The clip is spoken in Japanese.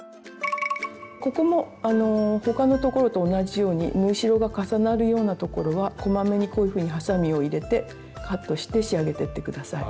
ここも他のところと同じように縫い代が重なるようなところはこまめにこういうふうにはさみを入れてカットして仕上げていって下さい。